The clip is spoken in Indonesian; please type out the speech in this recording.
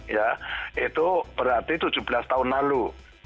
ya itu berarti tujuh belas tahun lalu